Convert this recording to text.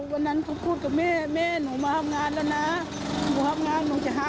มาลูกร้านมา